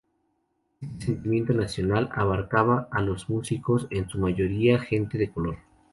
Este sentimiento nacional abarcaba a los músicos, en su mayoría gente de color.